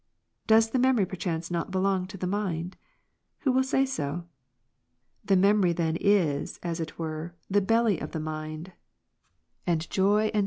Does the memory perchance not belong to the mind ? Who will say so ? The memory then is, as it were, the belly of the mind, and joy and f So also "mindful," "unmindful."